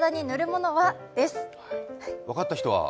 分かった人は？